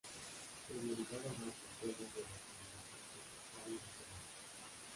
Se derivaron más secuelas del entendimiento entre el papa y el emperador.